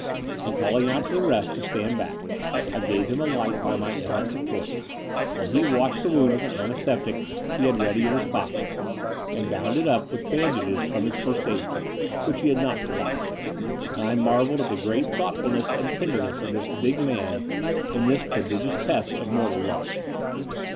And, calling out to the rest to stand back, I gave him a light by my electric torch, while he washed the wound with antiseptic he had ready in his 294 Tlie Door of the Unreal pocket, and bound it up with bandages from his first aid case, which he had not forgotten: and I marvelled at the great thoughtfulness and tender ness of this big man in this prodigious test of mor tal love.